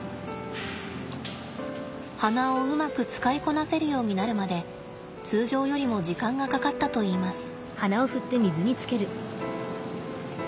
鼻をうまく使いこなせるようになるまで通常よりも時間がかかったといいます。